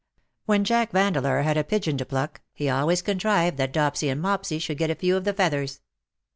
When Jack Vandeleur had a pigeon to pluck, he always contrived that Dopsy and Mopsy should get a few of the feathers.